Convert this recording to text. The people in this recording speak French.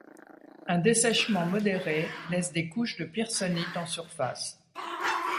Un dessèchement modéré laisse des couches de pirssonite en surface.